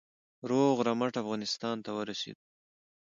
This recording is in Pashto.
روغ رمټ افغانستان ته ورسېدلو.